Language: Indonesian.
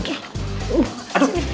pergi balik deh